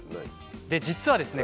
実はですね